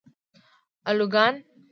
الوگان